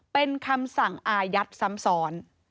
เป็นคำสั่งอายัดซ้ำซ้อน